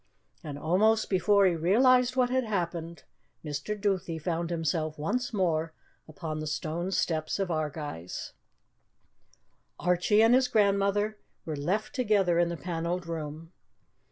And almost before he realized what had happened, Mr. Duthie found himself once more upon the stone steps of Ardguys. Archie and his grandmother were left together in the panelled room.